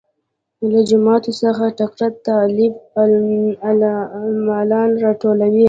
له جوماتو څخه تکړه طالب العلمان راټولوي.